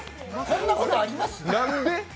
こんなことあります？